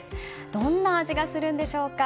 どんな味がするんでしょうか。